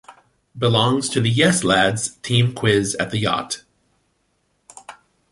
Belongs to the Yes Lads team quiz at the yacht.